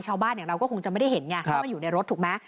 ชาวบ้านอย่างเราก็คงจะไม่ได้เห็นไงเข้ามาอยู่ในรถถูกไหม